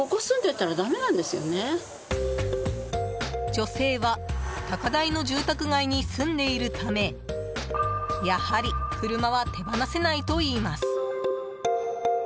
女性は高台の住宅街に住んでいるためやはり車は手放せないといいます。